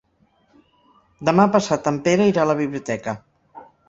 Demà passat en Pere irà a la biblioteca.